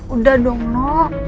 udah dong no